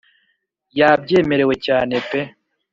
yabyemerewe cyane pe